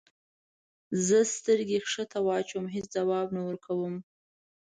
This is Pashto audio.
زه سترګې کښته واچوم هیڅ ځواب نه ورکوم.